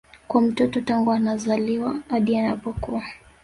kwa mtoto tangu anazaliwa hadi anapokua